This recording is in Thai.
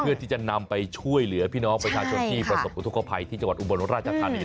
เพื่อที่จะนำไปช่วยเหลือพี่น้องประชาชนที่ประสบอุทธกภัยที่จังหวัดอุบลราชธานี